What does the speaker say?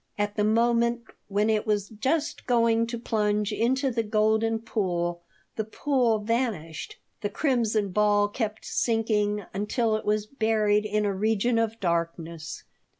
At the moment when it was just going to plunge into the golden pool the pool vanished. The crimson ball kept sinking until it was buried in a region of darkness.